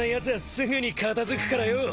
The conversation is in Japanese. すぐに片付くからよ！